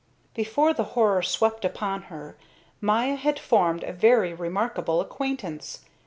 Before the horror swept upon her, Maya had formed a very remarkable acquaintance.